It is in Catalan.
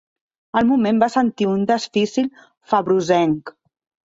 Al moment va sentir un desfici febrosenc